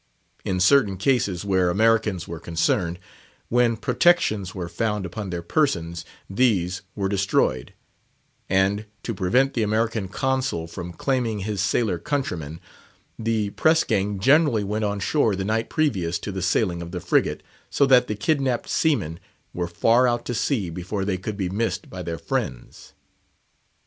In certain cases, where Americans were concerned, when "protections" were found upon their persons, these were destroyed; and to prevent the American consul from claiming his sailor countrymen, the press gang generally went on shore the night previous to the sailing of the frigate, so that the kidnapped seamen were far out to sea before they could be missed by their friends.